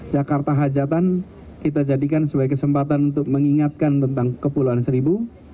jakarta hajatan kita jadikan sebagai kesempatan untuk mengingatkan tentang kepulauan seribu